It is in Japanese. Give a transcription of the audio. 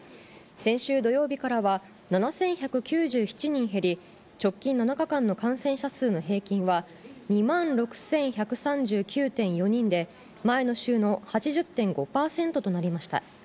先週土曜日からは７１９７人減り、直近７日間の感染者数の平均は２万６１３９．４人で、前の週の８０．５％となりました。